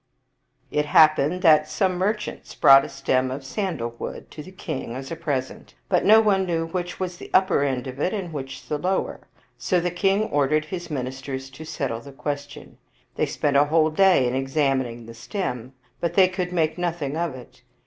*" It happened that some merchants brought a stem of san dal wood to the king as a present, but no one knew which was the upper end of it and which the lower. So the king ordered his ministers to settle the question. They spent a whole day in examining the stem, but they could make nothing of it.